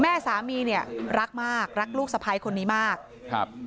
แม่สามีเนี่ยรักมากรักลูกสะพ้ายคนนี้มากครับ